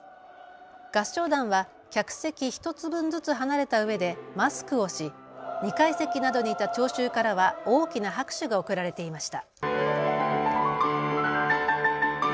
合唱団は客席１つ分ずつ離れたうえでマスクをし２階席などにいた聴衆からは大きな拍手が送られていました。